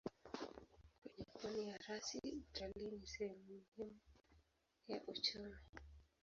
Kwenye pwani ya rasi utalii ni sehemu muhimu ya uchumi.